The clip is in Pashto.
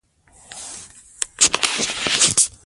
ويني په جوش راځي.